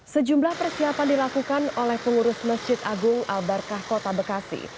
sejumlah persiapan dilakukan oleh pengurus masjid agung al barkah kota bekasi